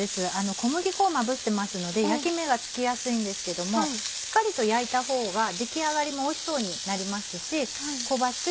小麦粉をまぶしてますので焼き目がつきやすいんですけどもしっかりと焼いたほうが出来上がりもおいしそうになりますし香ばしく